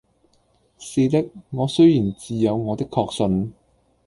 是的，我雖然自有我的確信，